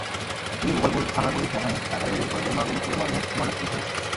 এদিকে গোপালপুর থানার পুলিশ জানায়, টাঙ্গাইল মেডিকেল কলেজের মর্গে নিখিলের মরদেহের ময়নাতদন্ত হয়েছে।